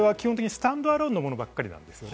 スタンドアローンのものばかりなんです。